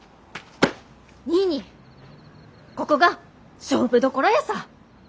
ニーニーここが勝負どころヤサ！